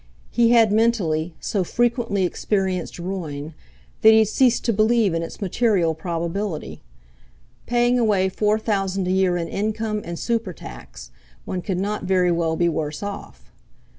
He had, mentally, so frequently experienced ruin, that he had ceased to believe in its material probability. Paying away four thousand a year in income and super tax, one could not very well be worse off!